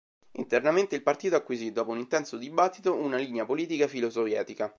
Internamente il partito acquisì, dopo un intenso dibattito, una linea politica filo-sovietica.